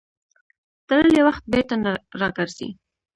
تللی وخت بېرته نه راګرځي.